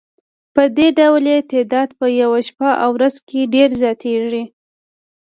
پدې ډول یې تعداد په یوه شپه او ورځ کې ډېر زیاتیږي.